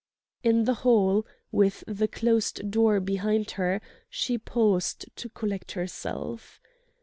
In the hall, with the closed door behind her, she paused to collect herself.